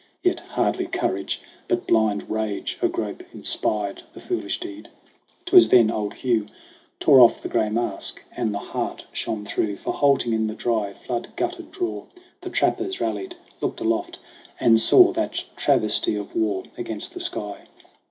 Yet, hardly courage, but blind rage agrope Inspired the foolish deed. J Twas then old Hugh Tore off the gray mask, and the heart shone through. For, halting in a dry, flood guttered draw, The trappers rallied, looked aloft and saw 4 SONG OF HUGH GLASS That travesty of war against the sky.